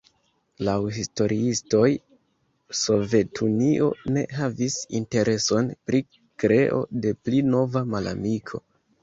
Laŭ historiistoj Sovetunio ne havis intereson pri kreo de pli nova malamiko.